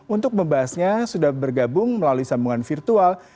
untuk membahasnya sudah bergabung melalui sambungan virtual